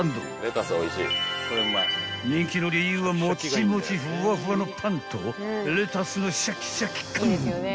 ［人気の理由はもちもちふわふわのパンとレタスのシャキシャキ感］